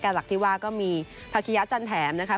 แกนหลักที่ว่าก็มีภาคิยะจันแถมนะครับ